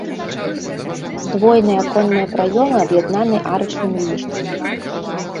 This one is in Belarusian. Здвоеныя аконныя праёмы аб'яднаны арачнымі ліштвамі.